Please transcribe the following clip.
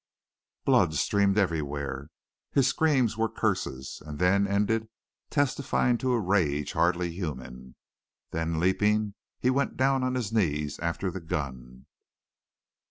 "Blood streamed everywhere. His screams were curses, and then ended, testifying to a rage hardly human. Then, leaping, he went down on his knees after the gun.